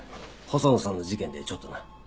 細野さんの事件でちょっとな。